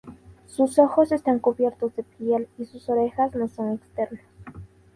Sus ojos están cubiertos de piel y sus orejas no son externas.